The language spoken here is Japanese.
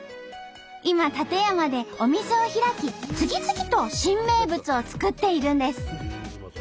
今館山でお店を開き次々と新名物を作っているんです。